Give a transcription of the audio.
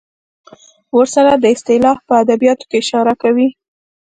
ورسره دا اصطلاح په ادبیاتو کې اشاره کوي.